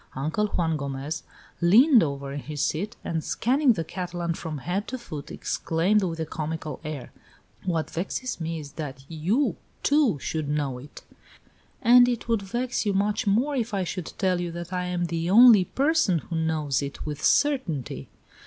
Uncle Juan Gomez leaned over in his seat, and scanning the Catalan from head to foot, exclaimed with a comical air: "What vexes me is that you, too, should know it!" "And it would vex you much more if I should tell you that I am the only person who knows it with certainty."